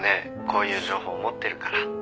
こういう情報持ってるから。